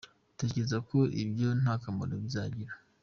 Dutekereza ko ibyo nta kamaro bizagira.